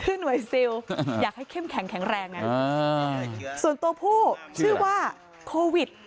หน่วยซิลอยากให้เข้มแข็งแข็งแรงนะส่วนตัวผู้ชื่อว่าโควิด